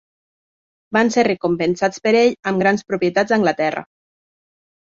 Van ser recompensats per ell amb grans propietats a Anglaterra.